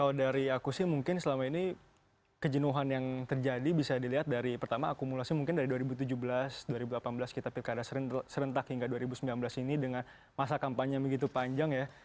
kalau dari aku sih mungkin selama ini kejenuhan yang terjadi bisa dilihat dari pertama akumulasi mungkin dari dua ribu tujuh belas dua ribu delapan belas kita pilkada serentak hingga dua ribu sembilan belas ini dengan masa kampanye begitu panjang ya